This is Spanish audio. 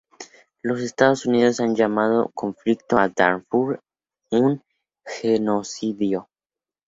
Los Estados Unidos han llamado el Conflicto de Darfur un genocidio.